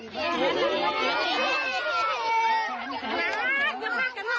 ผมไม่เจ็บอย่างนั้น